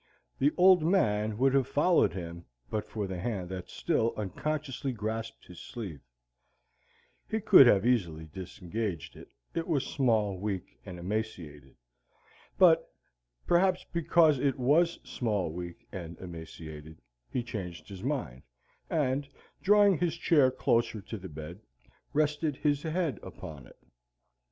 The Old Man would have followed him but for the hand that still unconsciously grasped his sleeve. He could have easily disengaged it: it was small, weak, and emaciated. But perhaps because it WAS small, weak, and emaciated, he changed his mind, and, drawing his chair closer to the bed, rested his head upon it.